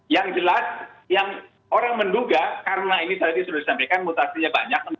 yang jelas yang orang menduga karena ini tadi sudah disampaikan mutasinya banyak